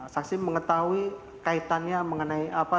saksi mengetahui kaitannya mengenai apa